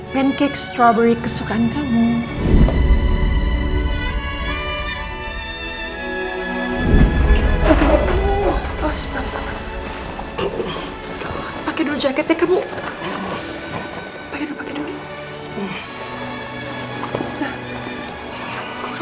pancake strawberry kesukaan kamu